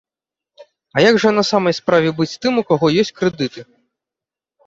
А як жа на самай справе быць тым, у каго ёсць крэдыты?